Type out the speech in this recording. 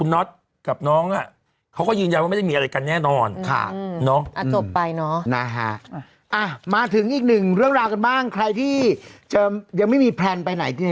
น่าจะเคลียร์ได้ค่ะ